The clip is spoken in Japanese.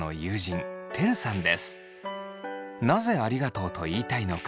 なぜありがとうと言いたいのか。